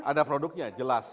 ada produknya jelas